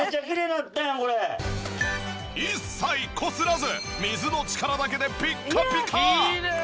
一切こすらず水の力だけでピッカピカ！